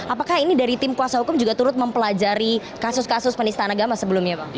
apakah ini dari tim kuasa hukum juga turut mempelajari kasus kasus penistaan agama sebelumnya pak